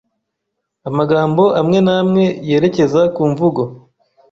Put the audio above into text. amagambo amwe namwe yerekeza ku mvugo